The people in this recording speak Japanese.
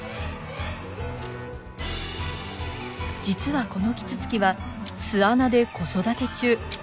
実はこのキツツキは巣穴で子育て中。